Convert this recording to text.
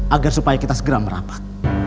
agar supaya kita segera merapat